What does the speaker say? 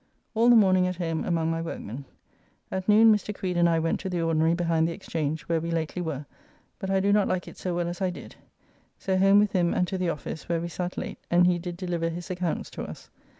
All the morning at home among my workmen. At noon Mr. Creed and I went to the ordinary behind the Exchange, where we lately were, but I do not like it so well as I did. So home with him and to the office, where we sat late, and he did deliver his accounts to us.